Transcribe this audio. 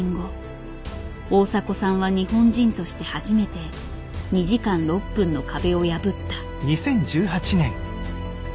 大迫さんは日本人として初めて２時間６分の壁を破った。